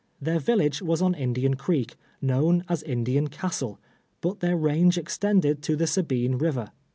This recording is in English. Their village was on Indian Creek, known as Indian Castle, but their range extended to the Sabine River.